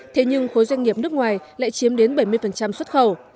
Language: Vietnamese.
thế nhưng khối doanh nghiệp nước ngoài lại chiếm đến bảy mươi xuất khẩu